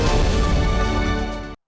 kupas kandidat abraham samad